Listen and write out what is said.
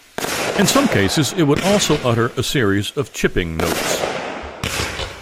In some cases it will also utter a series of chipping notes.